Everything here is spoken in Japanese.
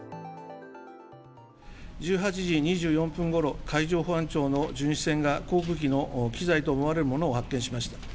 １８時２４分ごろ、海上保安庁の巡視船が航空機の機材と思われるものを発見しました。